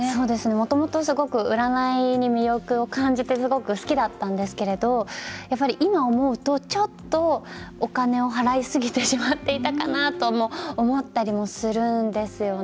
もともと、すごく占いに魅力を感じてすごく好きだったんですけれど今、思うとちょっとお金を払いすぎてしまっていたかなとも思ったりもするんですよね。